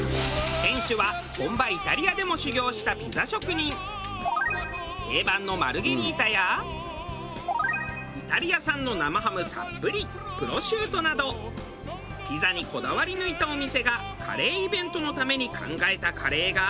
店主は定番のマルゲリータやイタリア産の生ハムたっぷりプロシュートなどピザにこだわり抜いたお店がカレーイベントのために考えたカレーが。